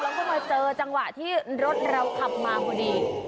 แล้วก็มาเจอจังหวะที่รถเราขับมาพอดี